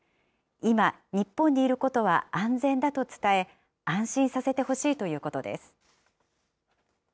今、日本にいることは安全だと伝え、安心させてほしいということです。